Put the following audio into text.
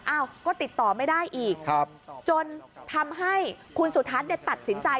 อ้าวก็ติดต่อไม่ได้อีกจนทำให้คุณสุทัศน์ตัดสินใจ